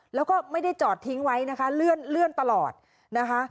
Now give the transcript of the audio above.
แล้วก็ไม่ได้จอดทิ้งไว้นะคะเลื่อนตลอดนะคะ